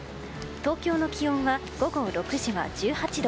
東京の気温は午後６時は１８度。